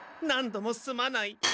何度もすまない。